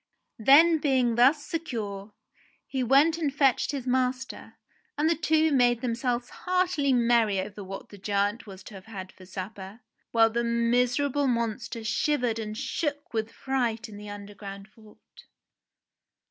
Then being thus secure, he went and fetched his master, and the two made themselves heartily merry over what the giant was to have had for supper, while the miserable monster shivered and shook with fright in the underground vault.